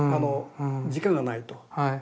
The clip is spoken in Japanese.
時間がないと。